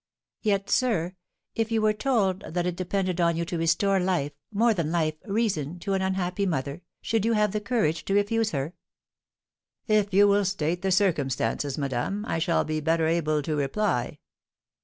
"Yet, sir, if you were told that it depended on you to restore life more than life, reason to an unhappy mother, should you have the courage to refuse her?" "If you will state the circumstances, madame, I shall be better able to reply."